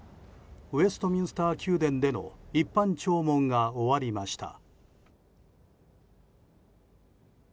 ウェストミンスター宮殿での一般弔問が終わりました。